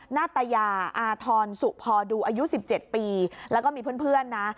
นาตายาอาธรสุพอดูอายุสิบเจ็ดปีแล้วก็มีเพื่อนเพื่อนนะ